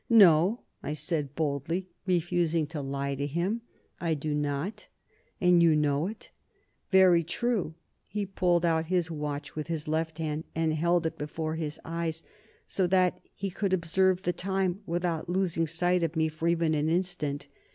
"No," I said boldly, refusing to lie to him. "I do not, and you know it." "Very true." He pulled out his watch with his left hand, and held it before his eyes so that he could observe the time without losing sight of me for even an instant.